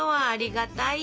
ありがと！